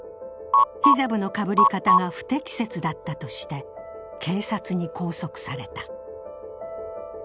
ヒジャブのかぶり方が不適切だったとして警察に拘束された。